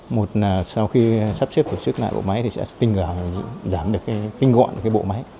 một là sau khi sắp xếp tổ chức lại bộ máy thì sẽ tinh gọn bộ máy